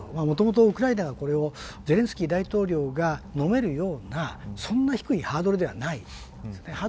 もともとウクライナがこれをゼレンスキー大統領が飲めるような、そんな低いハードルではないですね。